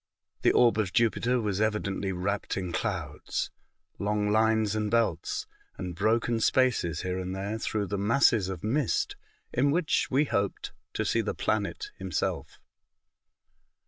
The orb of Jupiter was evidently wrapt in clouds — long lines and belts, and broken spaces here and there, through the masses of mist, in which we hoped to see the planet himself.